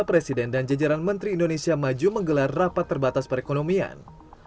presiden dan jajaran menteri indonesia maju menggelar rapat terbatas perekonomian